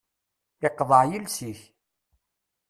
Iqḍeε yiles-ik.